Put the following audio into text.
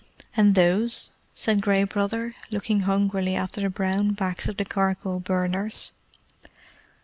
"And those?" said Gray Brother, looking hungrily after the brown backs of the charcoal burners.